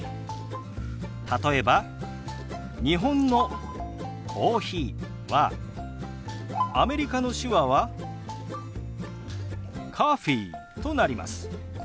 例えば日本の「コーヒー」はアメリカの手話は「ｃｏｆｆｅｅ」となります。